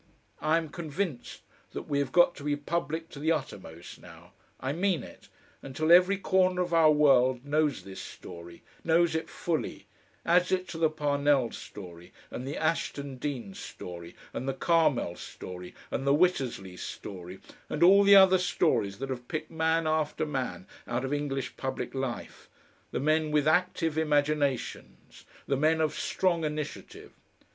I am convinced that we have got to be public to the uttermost now I mean it until every corner of our world knows this story, knows it fully, adds it to the Parnell story and the Ashton Dean story and the Carmel story and the Witterslea story, and all the other stories that have picked man after man out of English public life, the men with active imaginations, the men of strong initiative.